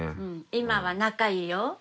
今は仲いいよ。